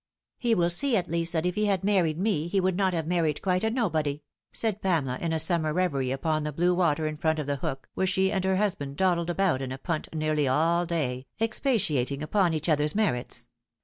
" He will see at least that if he had married me he would not have married quite a nobody," said Pamela, in a summer Like a Tale that is Told. 345 reverie upon the blue water in front of The Hook, where she and her husband dawdled about in a punt nearly all day, expatiating upon each other's merits.